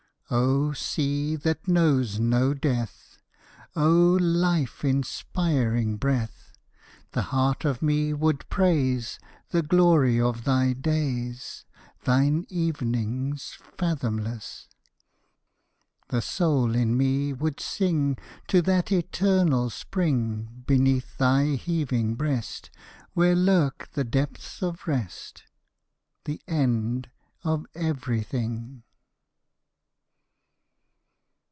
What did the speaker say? Oh, sea that knows no death! Oh, life inspiring breath! The heart of me would praise The glory of thy days, Thine evenings, fathomless. The soul in me would sing To that eternal Spring Beneath thy heaving breast, Where lurk the depths of rest, The end of everything.